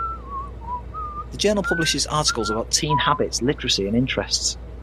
The journal publishes articles about teen habits, literacy, and interests.